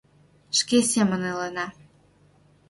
Шке семын илена;